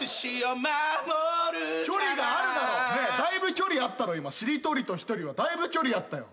だいぶ距離あったろ「しりとり」と「一人」はだいぶ距離あったよ。